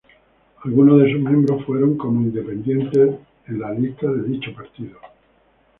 Algunos de sus miembros fueron como independientes en las listas de dicho partido.